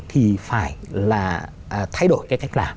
thì phải là thay đổi cái cách làm